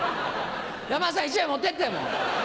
山田さん１枚持ってってもう。